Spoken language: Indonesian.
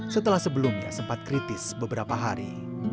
setelah sebelumnya sempat kritis beberapa hari